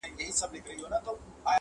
دا وطن به خپل مالک ته تسلمیږي٫